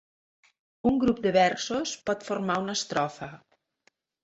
Un grup de versos pot formar una estrofa.